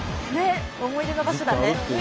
思い出の場所だね。